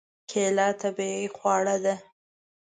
کېله طبیعي خواړه ده.